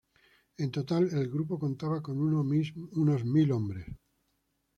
En total, el grupo contaba con unos mil hombres.